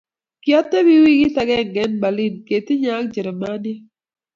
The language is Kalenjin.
kiotebi wikit agenge eng Berlin ketinye ak Jerumaniek